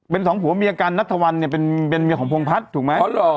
เป็นสองผัวเมียกันนัทวันเนี่ยเป็นเมียของพงพัฒน์ถูกไหม